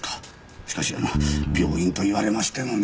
しかし病院と言われましてもねえ。